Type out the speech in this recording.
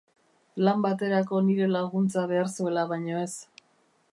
Lan baterako nire laguntza behar zuela baino ez.